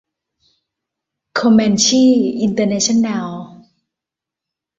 โคแมนชี่ อินเตอร์เนชั่นแนล